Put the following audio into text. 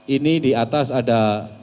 ini di atas ada